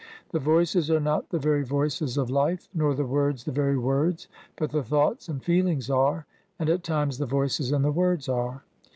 The voices are not the very voices of life, nor the words the very words, but the thoughts and feelings are, and at times the voices and the words are.